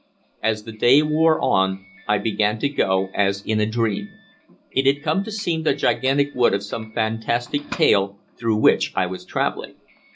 As the day wore on, I began to go as in a dream. It had come to seem the gigantic wood of some fantastic tale through which I was traveling.